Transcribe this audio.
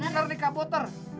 galak bener nih kak botter